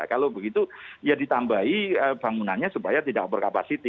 kalau begitu ya ditambahi bangunannya supaya tidak over capacity